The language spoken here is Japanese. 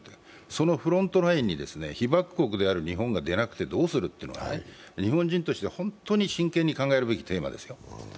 そのフロントラインに、被爆国である日本が出なくてどうするというのが、日本人として本当に真剣に考えるべきテーマですよ。